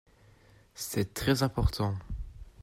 C’est très important.